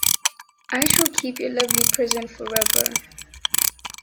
I shall keep your lovely present forever.